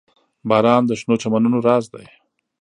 • باران د شنو چمنونو راز دی.